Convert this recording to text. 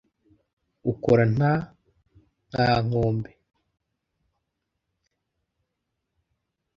ukora nta nka nkombe